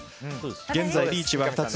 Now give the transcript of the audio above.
現在、リーチは２つ。